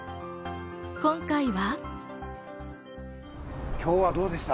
今回は。